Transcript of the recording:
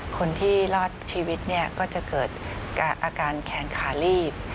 คนที่รอดชีวิตเนี่ยก็จะเกิดอาการแขนขาลีบ